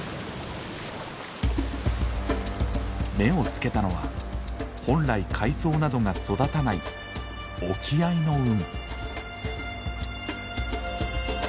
目をつけたのは本来海藻などが育たない沖合の海。